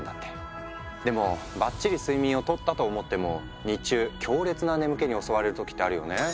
でもばっちり睡眠をとったと思っても日中強烈な眠気に襲われる時ってあるよね。